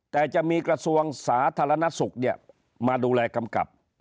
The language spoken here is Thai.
แต่จะมีกระทรวงสาธารณสุขมาดูแลกำกับ